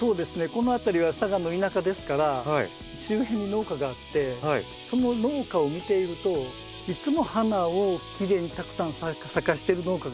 この辺りは嵯峨の田舎ですから周辺に農家があってその農家を見ているといつも花をきれいにたくさん咲かせてる農家がある。